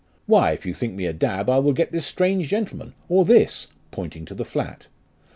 Why, if you think me a dab, I will get this strange gentleman, or this, pointing to the flat.